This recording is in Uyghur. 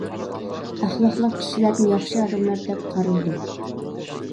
ئەخلاقلىق كىشىلەر ياخشى ئادەملەر دەپ قارىلىدۇ.